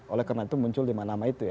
oleh karena itu muncul lima nama itu ya